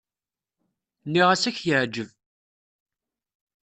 Nniɣ-as ad k-yeɛǧeb.